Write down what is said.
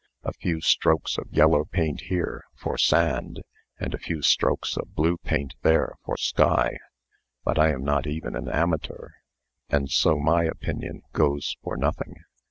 A few strokes of yellow paint here, for sand, and a few strokes of blue paint there, for sky. But I am not even an amateur, and so my opinion goes for nothing."